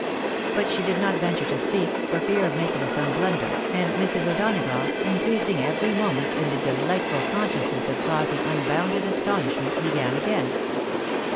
But she did not venture to speak, for fear of making some blunder, and Mrs. O'Donagough, increasing every moment in the delightful consciousness of causing unbounded astonishment, began again.